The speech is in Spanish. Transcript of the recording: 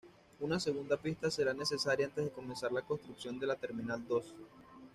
Una segunda pista será necesaria antes de comenzar la construcción de la terminal dos.